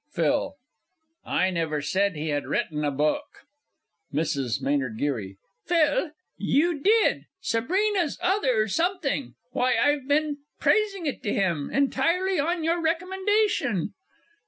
PHIL. I never said he had written a book. MRS. M. G. Phil you did! Sabrina's Other Something. Why, I've been praising it to him, entirely on your recommendation.